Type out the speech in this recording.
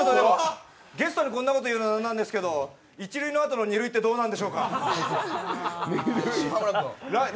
ゲストにこんなこと言うのは、なんなんですけど、一塁のあとの二塁ってどうなんでしょうか。